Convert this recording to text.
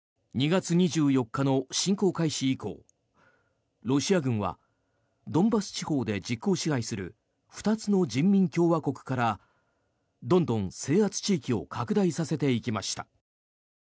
２月２４日の侵攻開始以降ロシア軍はドンバス地方で実効支配する２つの人民共和国からどんどん制圧地域を拡大させていきました。